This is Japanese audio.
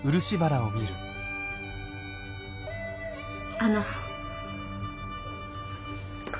あの。